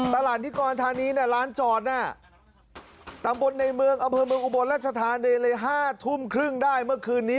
นิกรธานีร้านจอดน่ะตำบลในเมืองอำเภอเมืองอุบลรัชธานีเลย๕ทุ่มครึ่งได้เมื่อคืนนี้